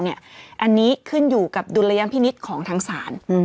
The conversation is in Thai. อันนี้ขึ้นอยู่กับดุลยพินิษฐ์ของทางศาล